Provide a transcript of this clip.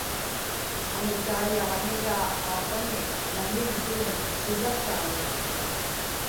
qamutaiyaġniraa aapani naŋir-vium siḷataani